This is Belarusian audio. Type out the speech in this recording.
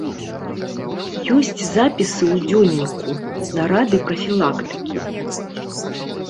Ёсць запісы ў дзённіку, нарады прафілактыкі.